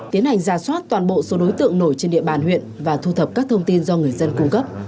tiến hành ra soát toàn bộ số đối tượng nổi trên địa bàn huyện và thu thập các thông tin do người dân cung cấp